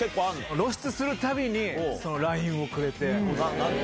露出するたびにＬＩＮＥをくれて。なんて？